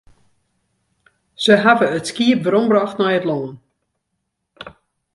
Se hawwe it skiep werombrocht nei it lân.